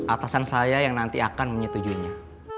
atasan saya yang nanti akan menyetujuinya